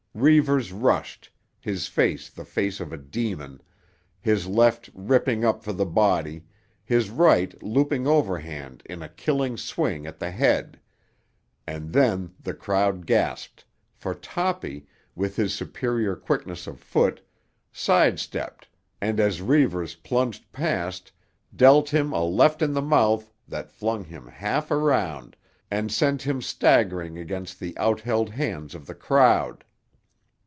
Reivers rushed, his face the face of a demon, his left ripping up for the body, his right looping overhand in a killing swing at the head; and then the crowd gasped, for Toppy, with his superior quickness of foot, side stepped and as Reivers plunged past dealt him a left in the mouth that flung him half around and sent him staggering against the outheld hands of the crowd.